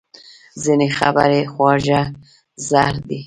ځینې خبرې خواږه زهر دي